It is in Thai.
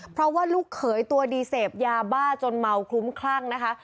เพราะว่าลูกเขยตัวดีเสพยาบ้าจนเมาคลุ้มคลั่งนะคะ